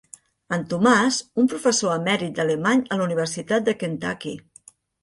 En Tomàs, un professor emèrit d'alemany a l'Universitat de Kentucky.